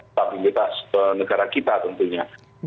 stabilitas negara kita tentunya